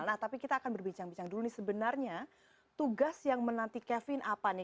nah tapi kita akan berbincang bincang dulu nih sebenarnya tugas yang menanti kevin apa nih